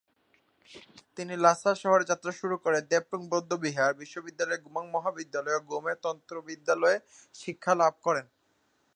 তিনি লাসা শহরে যাত্রা করে দ্রেপুং বৌদ্ধবিহার বিশ্ববিদ্যালয়ের গোমাং মহাবিদ্যালয় এবং গ্যুমে তন্ত্র মহাবিদ্যালয়ে শিক্ষালাভ করেন।